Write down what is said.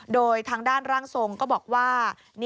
โดยทางด้านร่างทรงก็บอกว่า